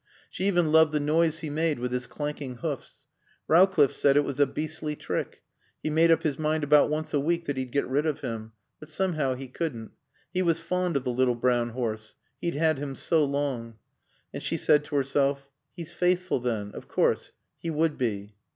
She even loved the noise he made with his clanking hoofs. Rowcliffe said it was a beastly trick. He made up his mind about once a week that he'd get rid of him. But somehow he couldn't. He was fond of the little brown horse. He'd had him so long. And she said to herself. "He's faithful then. Of course. He would be."